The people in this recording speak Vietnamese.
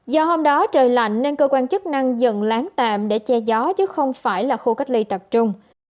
do hôm đó trời lạnh nên cơ quan chức năng dần lán tạm để che gió chứ không phải là khu cách ly tập trung